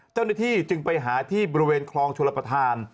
เจ้าหน้าที่จึงไปหาที่บริเวณคลองชลประธาน